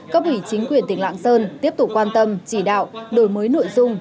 cấp ủy chính quyền tỉnh lạng sơn tiếp tục quan tâm chỉ đạo đổi mới nội dung